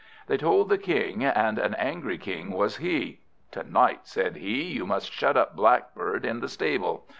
They told the King, and an angry King was he. "To night," said he, "you must shut up Blackbird in the stable."